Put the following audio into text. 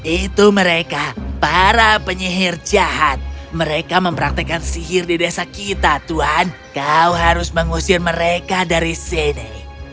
itu mereka para penyihir jahat mereka mempraktekan sihir di desa kita tuhan kau harus mengusir mereka dari sini